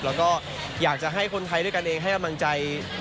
แล้วก็อยากจะให้คนไทยด้วยกันเองให้กำลังใจ